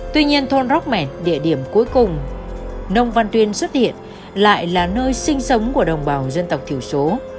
tuy nhiên thôn róc mẹt địa điểm cuối cùng nông văn tuyên xuất hiện lại là nơi sinh sống của đồng bào dân tộc thiểu số